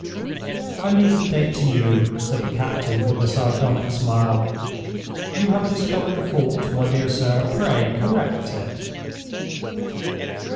"I leave the date to you," said the captain, with a sardonic smile. "You have discovered the fault, my dear sir—pray correct it!"